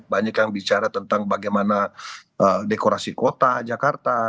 banyak yang bicara tentang bagaimana dekorasi kota jakarta